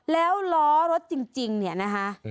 แล้วล้อรถจริงเนี่ยนะคะ